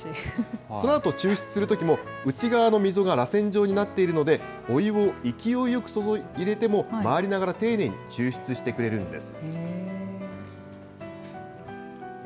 そのあと抽出するときも、内側の溝がらせん状になっているので、お湯を勢いよく注ぎ入れても、回りながら丁寧に抽出してくれるんです。